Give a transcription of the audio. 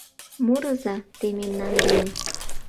Мурыза те мемнан дене: